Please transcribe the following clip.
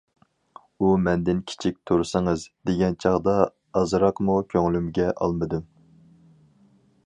ئۇ «مەندىن كىچىك تۇرسىڭىز» دېگەن چاغدا ئازراقمۇ كۆڭلۈمگە ئالمىدىم.